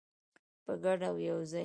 په ګډه او یوځای.